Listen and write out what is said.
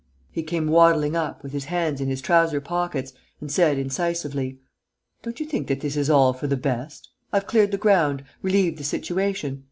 He came waddling up, with his hands in his trouser pockets, and said, incisively: "Don't you think that this is all for the best? I've cleared the ground, relieved the situation....